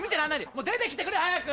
もう出てきてくれ早く！